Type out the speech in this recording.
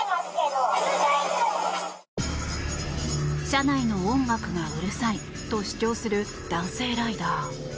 車内の音楽がうるさいと主張する男性ライダー。